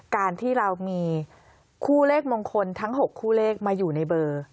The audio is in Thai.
การที่เรามีคู่เลขมงคลทั้ง๖คู่เลขมาอยู่ในเบอร์